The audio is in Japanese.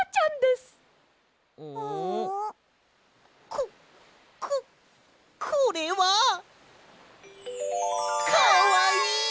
こここれは！かわいい！